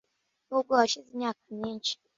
nubwo hashize imyaka myinshi